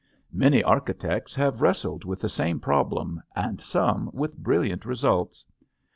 Many architects have wrestled with the same problem and some with bril liant results.